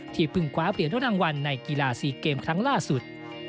เพิ่งคว้าเหรียญรถรางวัลในกีฬา๔เกมครั้งล่าสุด